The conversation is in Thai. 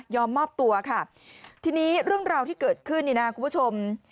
ยอมมอบตัวค่ะที่นี่เรื่องราวที่เกิดขึ้นนะคุณผู้ชม